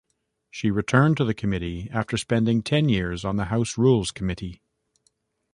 She returned to the committee after spending ten years on the House Rules Committee.